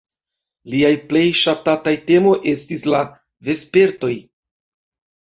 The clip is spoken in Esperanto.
Lia plej ŝatata temo estis la vespertoj.